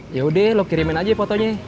yaudah lo kirimin aja fotonya